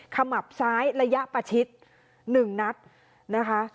ขมับซ้ายระยะประชิด๑นัดนะคะ